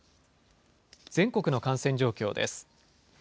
全国の感染状況です。